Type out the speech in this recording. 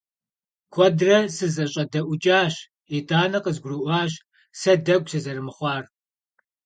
Куэдрэ сызэщӀэдэӀукӀащ, итӀанэ къызгурыӀуащ сэ дэгу сызэрымыхъуар.